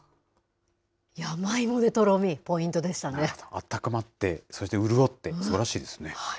温まって、そして潤って、すばらしいですね。